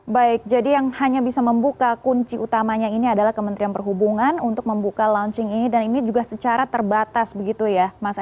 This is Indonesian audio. baik jadi yang hanya bisa membuka kunci utamanya ini adalah kementerian perhubungan untuk membuka launching ini dan ini juga secara terbatas begitu ya